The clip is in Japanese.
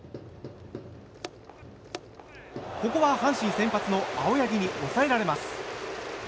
ここは阪神先発の青柳に抑えられます。